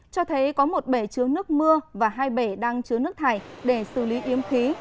cho thấy có một bể chứa nước mưa và hai bể đang chứa nước thải để xử lý yếm khí